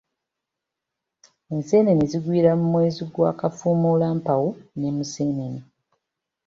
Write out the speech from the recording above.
Enseenene zigwira mu mwezi ogwa Kafuumulampawu ne Museenene.